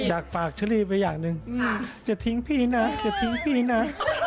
ตากปากเช้าคลีไปอย่างนึงอย่าทิ้งผิงนะอย่าทิ้งผิงนะ